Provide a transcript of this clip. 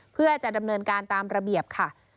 เพื่อจะดำเนินการตามระเบียบค่ะ